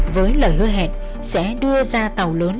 với lời hứa hẹn sẽ đưa ra tàu lớn